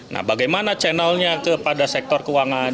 nah bagaimana channelnya kepada sektor keuangan